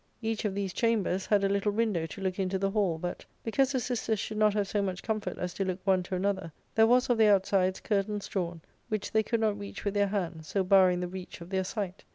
Each of these chambers ARCADIA.—Book III. 341 had a little window to look into the hall, but, because the sisters should not have so much comfort as to look one to another, there was, of the outsides, curtains drawn, which they could not reach with their hands, so barring the reach of their sight.